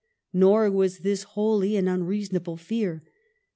Nor was this wholly an unreasonable fear.